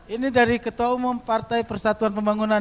ini dari ketua umum partai persatuan pembangunan